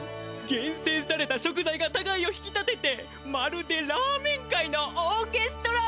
げんせんされたしょくざいがたがいを引き立ててまるでラーメン界のオーケストラや！